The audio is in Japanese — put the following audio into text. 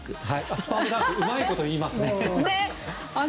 うまいこと言いますね。